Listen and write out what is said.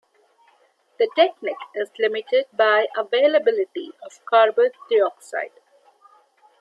The technique is limited by availability of carbon dioxide.